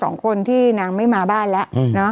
สองคนที่นางไม่มาบ้านแล้ว